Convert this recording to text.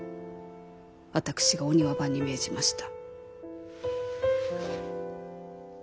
私が御庭番に命じました。